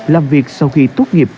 làm việc sau khi tốt nghiệp